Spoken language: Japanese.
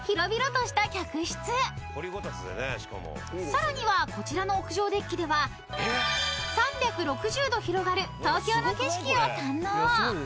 ［さらにはこちらの屋上デッキでは３６０度広がる東京の景色を堪能］